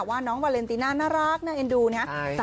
ว่าน้องวาเลนติน่าน่ารักน่าเอ็นดูนะครับ